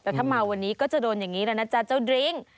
แต่ถ้ามาวันนี้ก็จะโดนอย่างนี้แล้วนะจ๊ะเจ้าดริ้ง